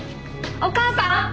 お母さん！